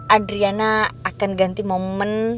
adriana akan ganti momen